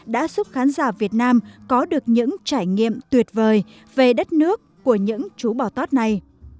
đã giúp khán giả việt nam có được những trải nghiệm tuyệt vời về đất nước của những chú bò tót này